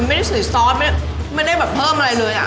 ไม่ได้ถือซอสไม่ได้แบบเพิ่มอะไรเลย